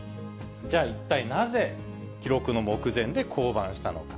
じゃあ、一体なぜ、記録の目前で降板したのか。